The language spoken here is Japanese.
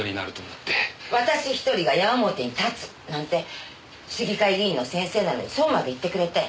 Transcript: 「私一人が矢面に立つ」なんて市議会議員の先生なのにそうまで言ってくれて。